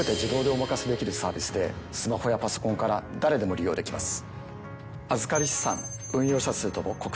でスマホやパソコンから誰でも利用できます。